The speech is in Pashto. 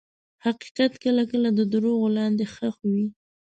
حقیقت کله کله د دروغو لاندې ښخ وي.